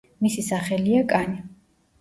მისი სახელია „კანი“.